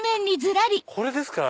これですか？